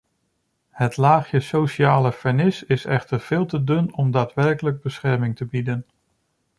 Het laagje sociale vernis is echt veel te dun om daadwerkelijk bescherming te bieden.